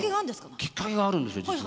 きっかけがあるんですよ実は。